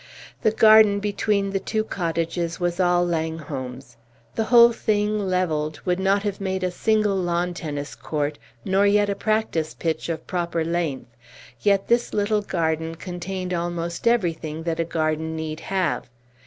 The garden behind the two cottages was all Langholm's. The whole thing, levelled, would not have made a single lawn tennis court, nor yet a practice pitch of proper length. Yet this little garden contained almost everything that a garden need have.